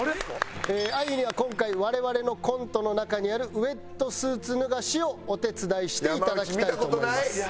あゆには今回我々のコントの中にあるウェットスーツ脱がしをお手伝いしていただきたいと思います。